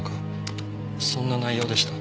そんな内容でした。